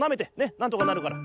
なんとかなるから。